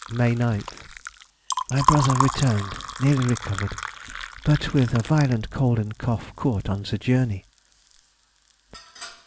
May 9th.—My brother returned, nearly recovered, but with a violent cold and cough caught on the journey.